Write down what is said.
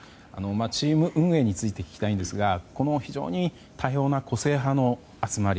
チーム運営について聞きたいんですが非常に多様な個性派の集まり。